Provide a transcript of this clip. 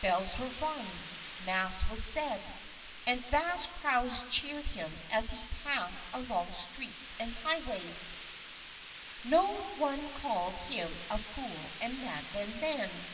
Bells were rung, mass was said, and vast crowds cheered him as he passed along streets and highways. No one called him a fool and madman then.